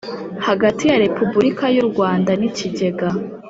hagati ya Repubulika y u Rwanda nikigega